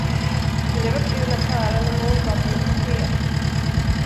Men det var kul att höra när mor gav honom besked.